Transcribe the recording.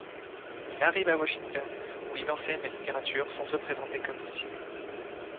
Il arrive à Washington, où il enseigne la littérature sans se présenter comme dissident.